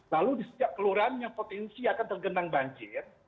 lalu di setiap kelurahan yang potensi akan tergenang banjir